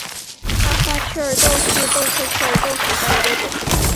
大花雀儿豆为豆科雀儿豆属下的一个种。